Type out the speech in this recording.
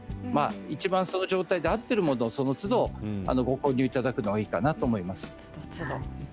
その状態に合っているものをそのつどご購入いただくのがいいと思います。